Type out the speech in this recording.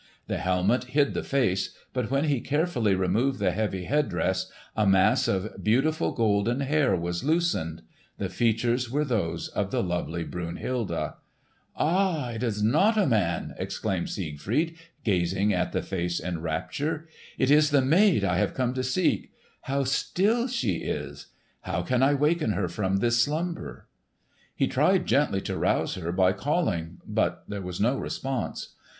The helmet hid the face, but when he carefully removed the heavy head dress a mass of beautiful golden hair was loosened. The features were those of the lovely Brunhilde. [Illustration: "Siegfried saw some one lying Asleep beneath a heavy shield" J. Wagrez] "Ah! it is not a man!" exclaimed Siegfried gazing at the face in rapture. "It is the maid I have come to seek! How still she is! How can I waken her from this slumber?" He tried gently to rouse her by calling, but there was no response.